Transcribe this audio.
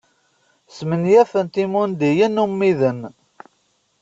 Smenyafent imendiyen ummiden.